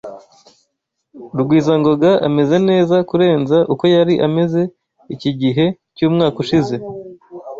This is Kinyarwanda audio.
Rugwizangoga ameze neza kurenza uko yari ameze iki gihe cyumwaka ushize.